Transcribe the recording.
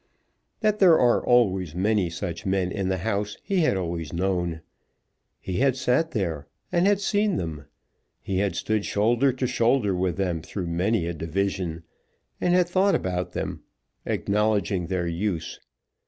That there are always many such men in the House he had always known. He had sat there and had seen them. He had stood shoulder to shoulder with them through many a division, and had thought about them, acknowledging their use.